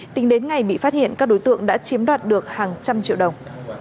tính đến ngày bị phát hiện các đối tượng đã chiếm đoạt được hàng trăm triệu đồng